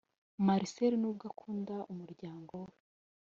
Marcel nubwo akunda umuryango we